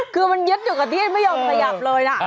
คือมันยึดอยู่กับที่ไม่ยอมขยับเลยนะ